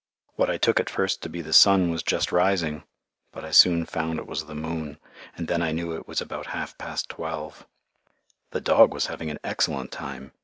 What I took at first to be the sun was just rising, but I soon found it was the moon, and then I knew it was about half past twelve. The dog was having an excellent time.